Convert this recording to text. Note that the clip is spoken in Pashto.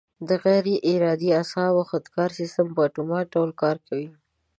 د غیر ارادي اعصابو خودکاره سیستم په اتومات ډول کار کوي.